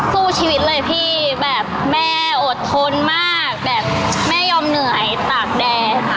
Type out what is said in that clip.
สู้ชีวิตเลยพี่แบบแม่อดทนมากแบบแม่ยอมเหนื่อยตากแดค่ะ